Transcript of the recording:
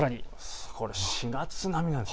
４月並みなんです。